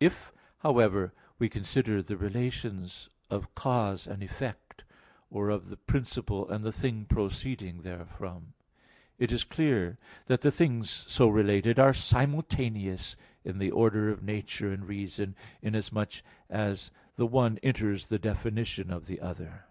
If, however, we consider the relations of cause and effect, or of the principle and the thing proceeding therefrom, it is clear that the things so related are simultaneous in the order of nature and reason, inasmuch as the one enters the definition of the other.